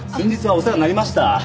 お世話になりました。